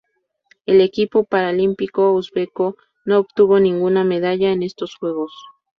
El equipo paralímpico uzbeko no obtuvo ninguna medalla en estos Juegos.